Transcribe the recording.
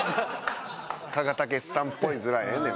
鹿賀丈史さんっぽいヅラええねん